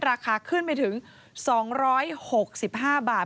ราคาขึ้นไปถึง๒๖๕บาท